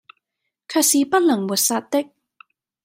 卻是不能抹殺的，